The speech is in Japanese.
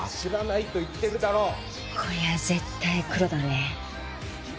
こりゃ絶対クロだね。